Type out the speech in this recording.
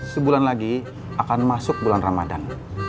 sebulan lagi akan masuk bulan ramadan